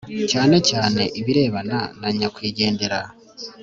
cyane cyane ibirebana na nyakwigendera